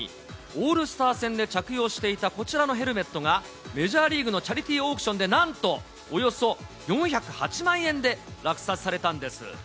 オールスター戦で着用していたこちらのヘルメットが、メジャーリーグのチャリティーオークションで、なんと、およそ４０８万円で落札されたんです。